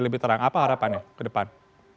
lebih terang apa harapannya ke depan